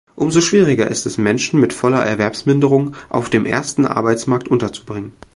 Umso schwieriger ist es, Menschen mit voller Erwerbsminderung auf dem Ersten Arbeitsmarkt unterzubringen.